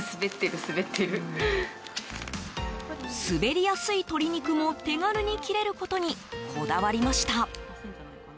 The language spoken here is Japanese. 滑りやすい鶏肉も手軽に切れることに、こだわりました。